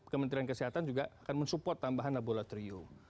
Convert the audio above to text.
kementerian kesehatan juga akan mensupport tambahan laboratorium